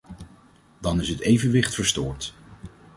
Dan is het evenwicht verstoord.